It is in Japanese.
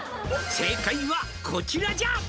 「正解はこちらじゃ」